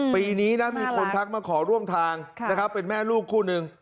ปีนี้นะมีคนทักมาขอร่วมทางนะครับเป็นแม่ลูกคู่หนึ่ง